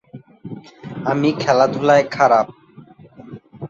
আমি খেলাধুলায় খারাপ।